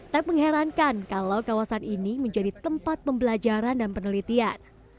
tak mengherankan kalau kawasan ini menjadi tempat pembelajaran dan penelitian